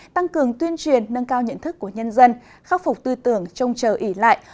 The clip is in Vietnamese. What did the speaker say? tăng cường tuyên truyền nâng cao nhận thức của nhân dân khắc phục tư tưởng trông chờ ỉ lại